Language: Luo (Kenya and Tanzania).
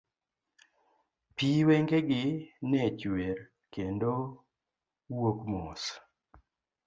Pi wenge gi ne chwer, kendo wuok mos.